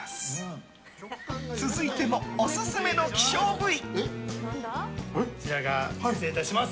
続いてもオススメの希少部位。